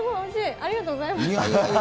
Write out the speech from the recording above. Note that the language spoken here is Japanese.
ありがとうございます。